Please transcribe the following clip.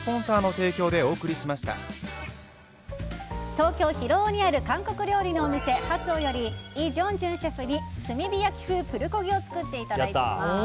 東京・広尾にある韓国料理のお店ハスオよりイ・ジョンジュンシェフに炭火焼き風プルコギを作っていただいています。